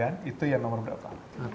dan itu yang nomor berapa